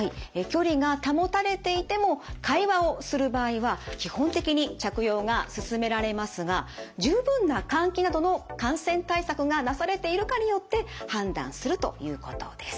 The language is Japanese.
距離が保たれていても会話をする場合は基本的に着用がすすめられますが十分な換気などの感染対策がなされているかによって判断するということです。